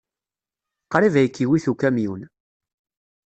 Qrib ay k-iwit ukamyun.